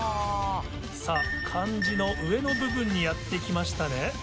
さぁ漢字の上の部分にやって来ましたね。